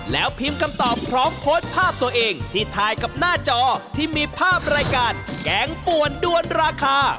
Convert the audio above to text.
แล้วพิมพ์คำตอบพร้อมโพสต์ภาพตัวเองที่ถ่ายกับหน้าจอที่มีภาพรายการแกงป่วนด้วนราคา